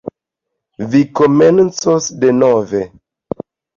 Vi komencos denove.